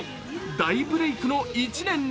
大ブレークの１年に。